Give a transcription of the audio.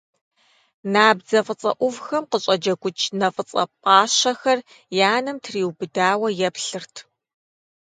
Набдзэ фӀыцӀэ Ӏувхэм къыщӀэджэгукӀ нэ фӀыцӀэ пӀащэхэр и анэм триубыдауэ еплъырт.